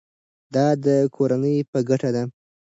دا د کورنۍ په ګټه ده.